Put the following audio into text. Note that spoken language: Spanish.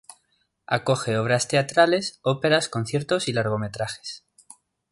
Acoge obras teatrales, óperas, conciertos y largometrajes.